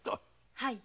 はい。